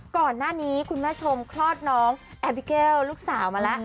ก่อนหน้านี้คุณแม่ชมคลอดน้องแอบิเกลลูกสาวมาแล้ว